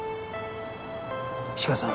志賀さん